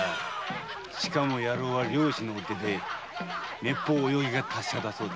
野郎は漁師の出でめっぽう泳ぎが達者だそうだ。